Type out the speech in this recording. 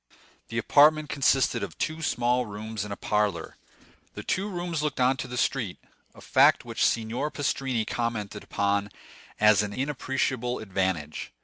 The apartment consisted of two small rooms and a parlor. The two rooms looked on to the street—a fact which Signor Pastrini commented upon as an inappreciable advantage.